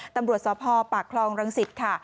ตำรวจสพปากคลองรังสิตค่ะ